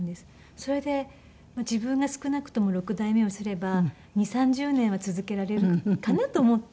それで自分が少なくとも６代目をすれば２０３０年は続けられるかなと思って。